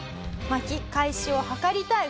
巻き返しを図りたい